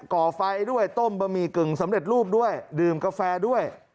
่อไฟด้วยต้มบะหมี่กึ่งสำเร็จรูปด้วยดื่มกาแฟด้วย